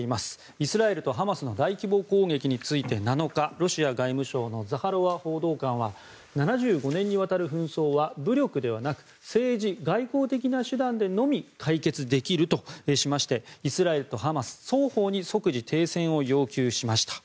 イスラエルとハマスの大規模攻撃について７日ロシア外務省のザハロワ報道官は７５年にわたる紛争は武力ではなく政治・外交的な手段でのみ解決できるとしましてイスラエルとハマス双方に即時停戦を要求しました。